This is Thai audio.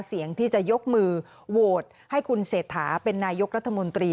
เสียงที่จะยกมือโหวตให้คุณเศรษฐาเป็นนายกรัฐมนตรี